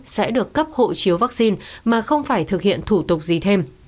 sẽ được cấp hộ chiếu vaccine mà không phải thực hiện thủ tục gì thêm